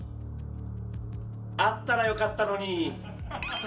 あったら良かったのに。